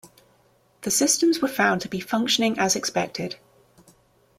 The systems were found to be functioning as expected.